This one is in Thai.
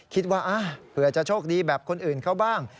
คิดว่าเผื่อจะโชคดีแบบคนอื่นเขาบ้าง